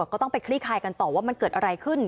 ก็ต้องไปคลี่คลายกันต่อว่ามันเกิดอะไรขึ้น